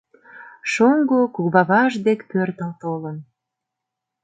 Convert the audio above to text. Шоҥго, куваваж дек пӧртыл толын